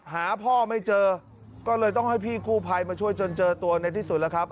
หาพ่อไม่เจอก็เลยต้องให้พี่กู้ภัยมาช่วยจนเจอตัวในที่สุดแล้วครับ